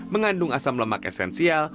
mengandung asam lemak esensial